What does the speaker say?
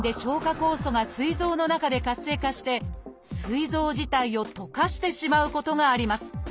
酵素がすい臓の中で活性化してすい臓自体を溶かしてしまうことがあります。